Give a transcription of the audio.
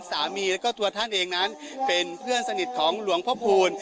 สามีแล้วก็ตัวท่านเองนั้นเป็นเพื่อนสนิทของหลวงพ่อพูล